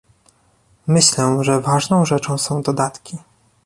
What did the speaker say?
Myślę, że ważną rzeczą są dodatki